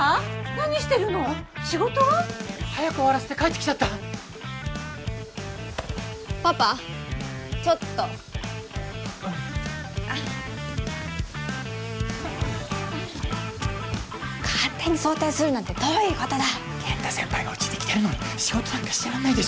何してるの仕事は？早く終わらせて帰ってきちゃったパパちょっと勝手に早退するなんてどういうことだ健太先輩がうちに来てるのに仕事なんかしてらんないでしょ